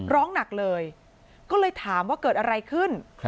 ร้องหนักเลยก็เลยถามว่าเกิดอะไรขึ้น